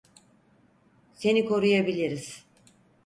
Seni koruyabiliriz.